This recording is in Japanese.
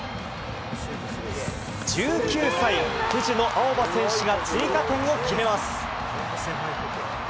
１９歳、藤野あおば選手が追加点を決めます。